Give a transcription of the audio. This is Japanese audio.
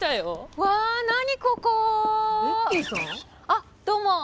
あどうも。